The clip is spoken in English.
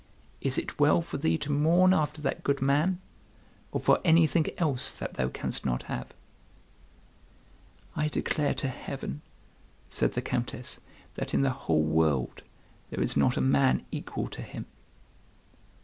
Is it well for thee to mourn after that good man, or for anything else that thou canst not have?" "I declare to Heaven," said the Countess, "that in the whole world there is not a man equal to him."